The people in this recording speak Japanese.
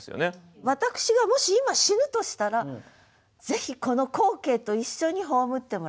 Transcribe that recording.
私がもし今死ぬとしたらぜひこの光景と一緒に葬ってもらいたい。